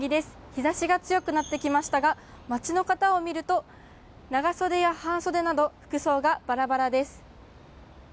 日差しが強くなってきましたが街の方を見ると長袖や半袖など服装がバラバラです。